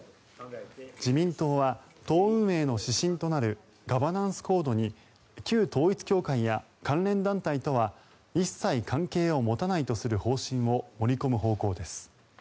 自民党は党運営の指針となるガバナンスコードに旧統一教会や関連団体とは一切関係を持たないとする方針を盛り込む方向です。